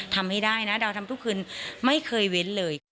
ทำให้ได้นะดาวทำทุกคืนไม่เคยเว้นเลย